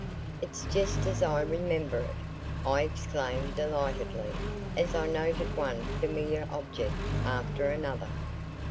"It's just as I remember it!" I exclaimed delightedly as I noted one familiar object after another.